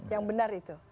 yang benar itu